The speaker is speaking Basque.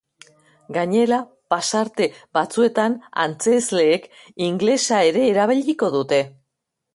Gainera, pasarte batzuetan antzezleek ingelesa ere erabiliko dute.